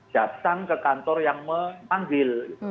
datang ke kantor yang memanggil